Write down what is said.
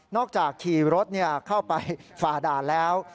นอกจากขี่รถเข้าไปฝ่าด่านแล้ว